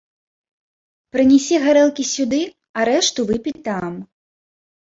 Прынясі гарэлкі сюды, а рэшту выпі там.